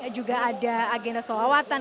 juga ada agenda solawatan